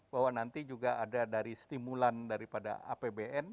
bahwa nanti juga ada dari stimulan daripada apbn